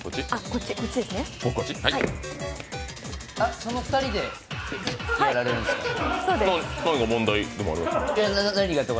その２人でやられるんですか？